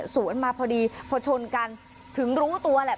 สวนมาพอดีพอชนกันถึงรู้ตัวแหละ